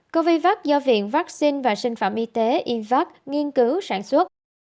covax do viện vaccine và sinh phẩm y tế ivac nghiên cứu sản xuất